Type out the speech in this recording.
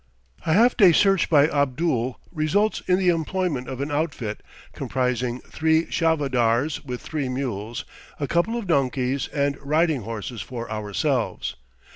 A half day search by Abdul results in the employment of an outfit comprising three charvadars, with three mules, a couple of donkeys, and riding horses for ourselves.